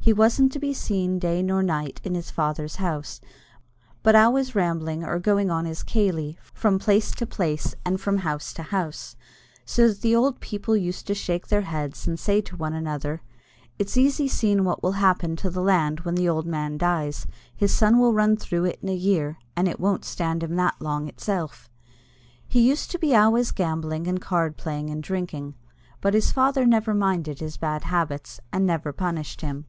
He wasn't to be seen day nor night in his father's house, but always rambling or going on his kailee (night visit) from place to place and from house to house, so that the old people used to shake their heads and say to one another, "it's easy seen what will happen to the land when the old man dies; his son will run through it in a year, and it won't stand him that long itself." He used to be always gambling and card playing and drinking, but his father never minded his bad habits, and never punished him.